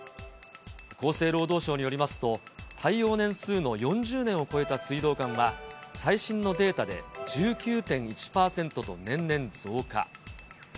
厚生労働省によりますと、耐用年数の４０年を超えた水道管は、最新のデータで１９．１％と年々増加。